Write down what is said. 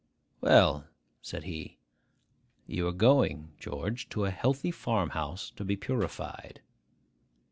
'Well,' said he, 'you are going, George, to a healthy farm house to be purified.